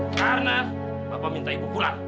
karena bapak minta ibu pulang